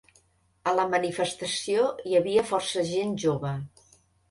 A la manifestació hi havia força gent jove.